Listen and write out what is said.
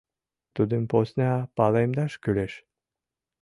Тудым посна палемдаш кӱлеш.